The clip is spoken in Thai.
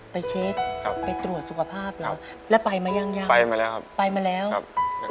ไปเช็กไปตรวจสุขภาพละอือแล้วไปมายังยังไปมาแล้วครับ